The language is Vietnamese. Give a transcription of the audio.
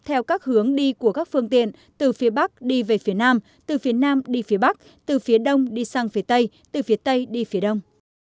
theo các hướng đi của các phương tiện từ phía bắc đi về phía nam từ phía nam đi phía bắc từ phía đông đi sang phía tây từ phía tây đi phía đông